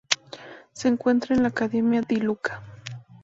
Se encuentra en la Academia di Luca.